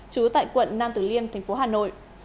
chú tại quận nam tử liêm tp hà nội